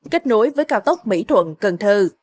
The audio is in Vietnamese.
kết nối với cao tốc mỹ thuận cần thơ